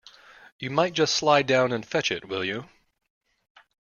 You might just slide down and fetch it, will you?